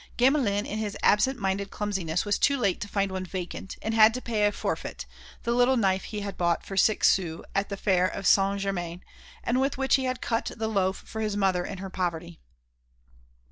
Gamelin in his absent minded clumsiness was too late to find one vacant, and had to pay a forfeit, the little knife he had bought for six sous at the fair of Saint Germain and with which he had cut the loaf for his mother in her poverty.